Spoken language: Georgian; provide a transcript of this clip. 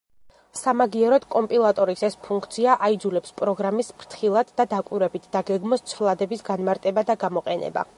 სამაგიეროდ კომპილატორის ეს ფუნქცია აიძულებს პროგრამისტს ფრთხილად და დაკვირვებით დაგეგმოს ცვლადების განმარტება და გამოყენება.